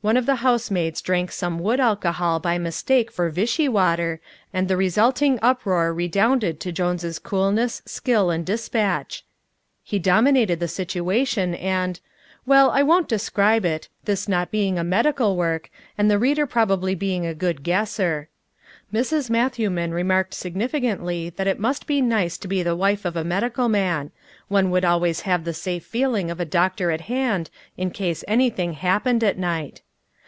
One of the housemaids drank some wood alcohol by mistake for vichy water, and the resulting uproar redounded to Jones' coolness, skill and despatch. He dominated the situation and well, I won't describe it, this not being a medical work, and the reader probably being a good guesser. Mrs. Matthewman remarked significantly that it must be nice to be the wife of a medical man one would always have the safe feeling of a doctor at hand in case anything happened at night!